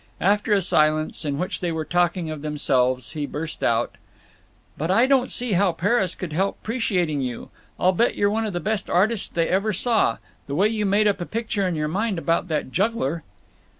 After a silence, in which they were talking of themselves, he burst out: "But I don't see how Paris could help 'preciating you. I'll bet you're one of the best artists they ever saw…. The way you made up a picture in your mind about that juggler!"